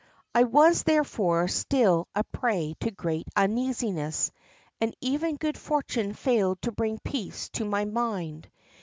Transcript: "I was, therefore, still a prey to great uneasiness, and even good fortune failed to bring peace to my mind.